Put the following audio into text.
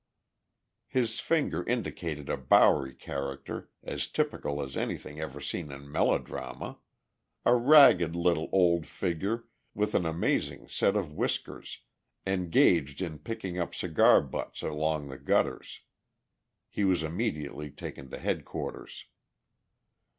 His finger indicated a Bowery character as typical as anything ever seen in melodrama—a ragged little old figure with an amazing set of whiskers, engaged in picking up cigar butts along the gutters. He was immediately taken to headquarters.